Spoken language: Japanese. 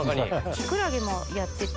きくらげもやってて。